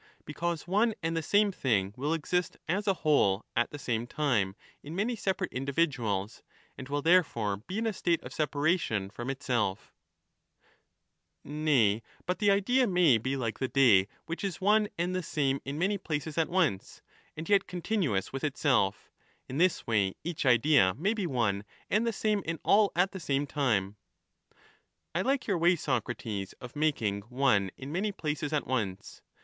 Because one and the same thing will exist as a whole at the same time in many separate individuals, and will therefore be in a state of separation from itself Nay, but the idea may be like the day which is one and the same in many places at once, and yet continuous with itself; in this way each idea may be one and the same in all at the same time. I like your way, Socrates, of making one in many places at once.